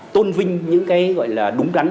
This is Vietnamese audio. tôn vinh những cái gọi là đúng đắn